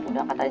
udah angkat aja